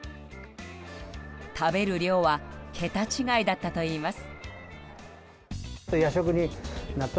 食べる量は桁違いだったといいます。